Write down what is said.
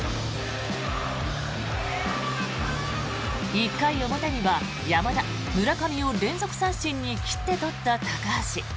１回表には山田、村上を連続三振に切って取った高橋。